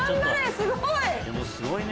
すごいね。